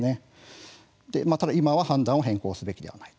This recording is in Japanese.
ただ今は判断を変更すべきではない。